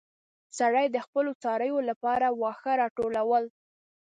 سړی د خپلو څارويو لپاره واښه راټولول.